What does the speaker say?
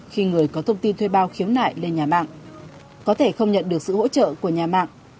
khi người có thông tin thuê bao khiếm nại lên nhà mạng